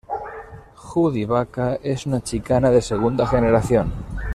Judy Baca es un chicana de segunda generación.